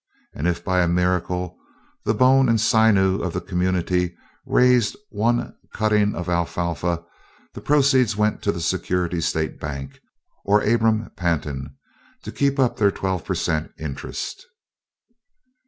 And if by a miracle "the bone and sinew" of the community raised one cutting of alfalfa, the proceeds went to the Security State Bank, or Abram Pantin, to keep up their 12 per cent. interest.